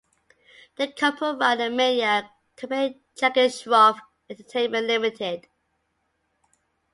The couple run a media company Jackie Shroff Entertainment Limited.